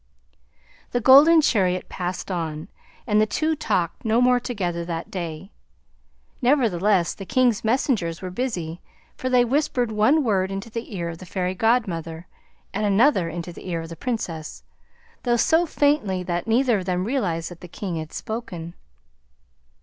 The golden chariot passed on, and the two talked no more together that day; nevertheless the King's messengers were busy, for they whispered one word into the ear of the Fairy Godmother and another into the ear of the Princess, though so faintly that neither of them realized that the King had spoken.